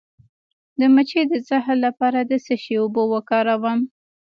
د مچۍ د زهر لپاره د څه شي اوبه وکاروم؟